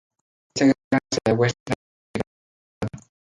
Esta gran masa de agua es navegable durante todo el año.